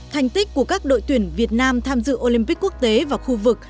thành tích của các đội tuyển việt nam tham dự olympic quốc tế và khu vực